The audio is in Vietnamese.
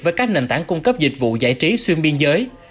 với các nền tảng cung cấp dịch vụ giải trí xuyên biên giới